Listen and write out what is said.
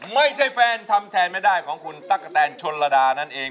ไม่ใช่แฟนทำแทนไม่ได้ของคุณตั๊กกะแตนชนระดานั่นเอง